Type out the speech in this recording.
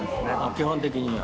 基本的には。